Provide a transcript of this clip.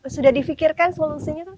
sudah difikirkan solusinya